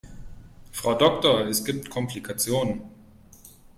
Frau Doktor, es gibt Komplikationen.